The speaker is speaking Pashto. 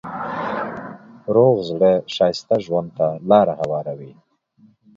روغ زړه ښایسته ژوند ته لاره هواروي.